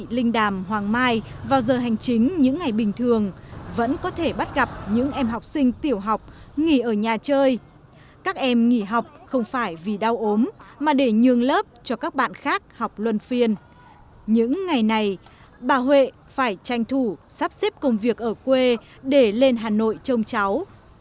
học sinh đàm hoàng mai vào giờ hành chính những ngày bình thường vẫn có thể bắt gặp những em học sinh tiểu học nghỉ ở nhà chơi các em nghỉ học không phải vì đau ốm mà để nhường lớp cho các bạn khác học luân phiên những ngày này bà huệ phải tranh thủ sắp xếp công việc ở quê để lên hà nội trông cháu